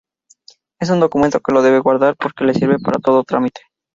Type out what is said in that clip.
Es un documento que lo debe guardar porque le sirve para todo trámite.